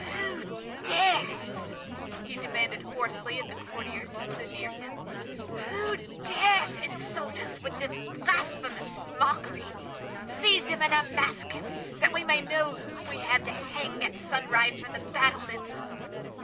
"Who dares,"—he demanded hoarsely of the courtiers who stood near him—"who dares insult us with this blasphemous mockery? Seize him and unmask him—that we may know whom we have to hang, at sunrise, from the battlements!"